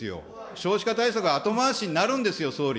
少子化対策は後回しになるんですよ、総理。